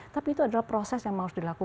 tapi itu adalah proses yang harus dilakukan